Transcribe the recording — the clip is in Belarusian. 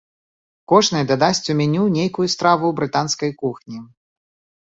Кожны дадасць у меню нейкую страву брытанскай кухні.